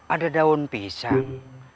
ada daun pisang